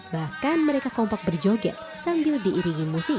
bahkan mereka kompak berjoget sambil diiringi musik